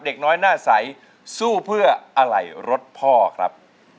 เด็กน้อยหน้าใสสู้เพื่ออะไรรถพ่อครับ